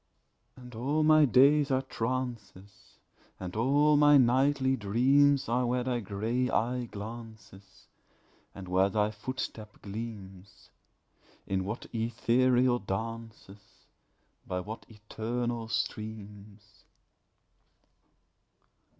And all my days are trances, And all my nightly dreams Are where thy grey eye glances, And where thy footstep gleams In what ethereal dances, By what eternal streams.